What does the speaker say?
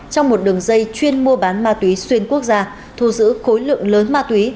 trong một đường dây chuyên mua bán ma túy xuyên quốc gia thu giữ khối lượng lớn ma túy